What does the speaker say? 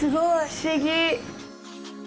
不思議。